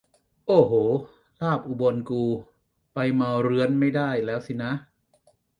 โอ้โห ลาบอุบลกู ไปเมาเรื้อนไม่ได้แล้วสินะ